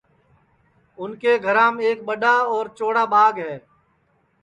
اُن کے گھرام ایک ٻڈؔا اور چوڑا ٻاگ ہے